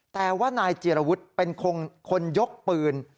แต่ว่านายจีรวุฒิเป็นคนยกปืน